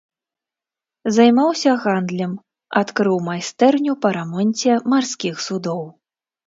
Займаўся гандлем, адкрыў майстэрню па рамонце марскіх судоў.